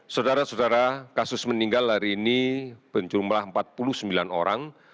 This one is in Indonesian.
saudara saudara kasus meninggal hari ini berjumlah empat puluh sembilan orang